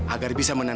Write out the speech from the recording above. agar bisa memperbaiki